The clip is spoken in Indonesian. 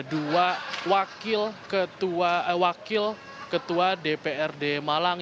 dua wakil ketua dprd malang